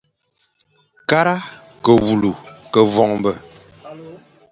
Kara ke wule ke voñbe.